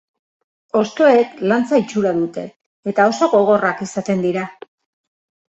Hostoek lantza-itxura dute, eta oso gogorrak izaten dira.